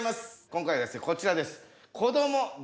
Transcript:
今回はですねこちらです。